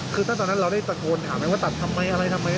คือถ้าตอนนั้นเราได้ตะโกนถามไหมว่าตัดทำไมอะไรทำไม